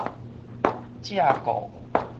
藉故